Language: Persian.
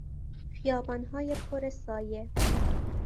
خیابانهای پر سایه